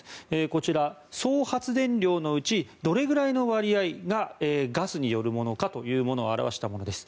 こちら、総発電量のうちどれぐらいの割合がガスによるものかというものを表したものです。